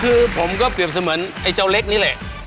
คือผมก็เกือบเหมือนไอ้เจ้าเล็กนี้เลย